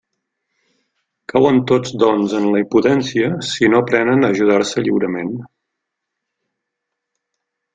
Cauen tots, doncs, en la impotència si no aprenen a ajudar-se lliurement.